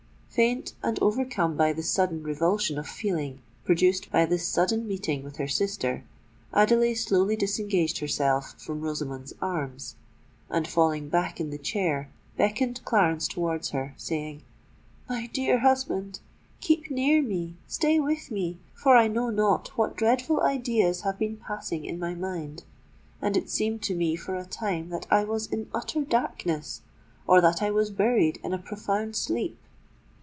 Faint and overcome by the sudden revulsion of feeling produced by this sudden meeting with her sister, Adelais slowly disengaged herself from Rosamond's arms, and falling back in the chair, beckoned Clarence towards her, saying, "My dearest husband—keep near me—stay with me—for I know not what dreadful ideas have been passing in my mind;—and it seemed to me for a time that I was in utter darkness—or that I was buried in a profound sleep."